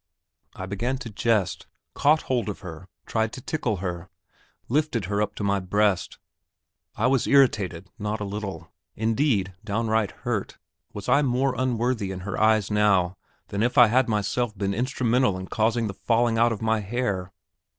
I began to jest, caught hold of her, tried to tickle her, lifted her up to my breast. I was irritated not a little indeed, downright hurt. Was I more unworthy in her eyes now, than if I had myself been instrumental in causing the falling out of my hair?